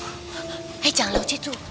eh janganlah cuy